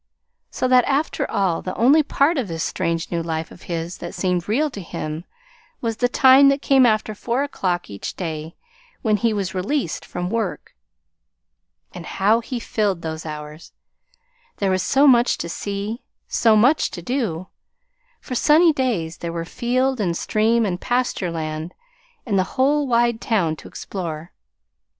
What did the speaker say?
So that, after all, the only part of this strange new life of his that seemed real to him was the time that came after four o'clock each day, when he was released from work. And how full he filled those hours! There was so much to see, so much to do. For sunny days there were field and stream and pasture land and the whole wide town to explore.